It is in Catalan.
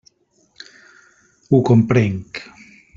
Ho comprenc.